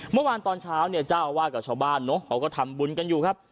เมื่อวานตอนเช้าเนี่ยเจ้าอาวาสกับชาวบ้านเนอะเขาก็ทำบุญกันอยู่ครับ